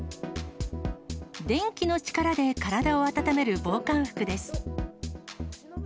電気の力で体を温める防寒服です。